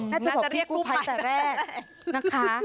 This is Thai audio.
น่าจะเข้าพี่กู้ภัยแต่แรก